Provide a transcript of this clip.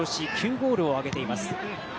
ゴールを挙げています。